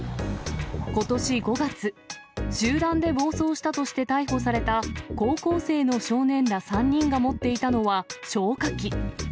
ことし５月、集団で暴走したとして逮捕された高校生の少年ら３人が持っていたのは消火器。